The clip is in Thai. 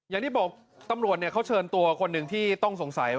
อย่างที่บอกตำรวจเขาเชิญตัวคนหนึ่งที่ต้องสงสัย